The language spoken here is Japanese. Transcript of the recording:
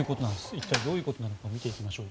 一体どういうことなのか見ていきましょう。